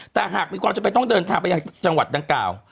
แต่หากมีความจำเป็นต้องเดินทางไปยังจังหวัดดังกล่าว